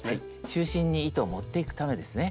中心に糸を持っていくためですね。